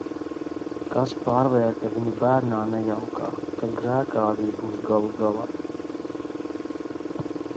Kas pārvērta viņu bērnā nejaukā, kas grēkāzis būs galu galā?